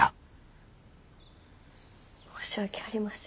申し訳ありません。